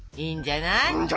いいんじゃない。